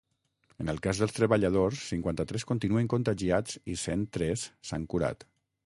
En el cas dels treballadors, cinquanta-tres continuen contagiats i cent tres s’han curat.